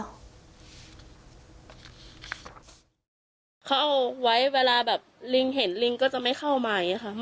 เขาเอาไว้เวลาแบบลิงเห็นลิงก็จะไม่เข้ามาอย่างนี้ค่ะ